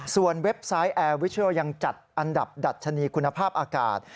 เว็บไซต์แอร์วิชัลยังจัดอันดับดัชนีคุณภาพอากาศ